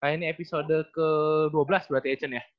ini episode ke dua belas berarti atchen ya